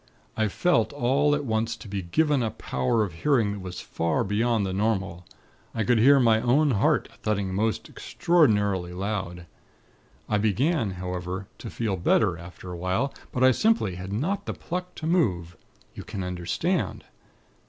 I felt all at once to be given a power of hearing that was far beyond the normal. I could hear my own heart thudding most extraordinarily loud. I began, however, to feel better, after a while; but I simply had not the pluck to move. You can understand?